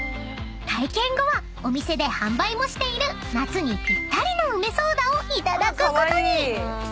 ［体験後はお店で販売もしている夏にぴったりの梅ソーダをいただくことに］